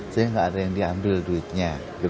sehingga enggak ada yang diambil duitnya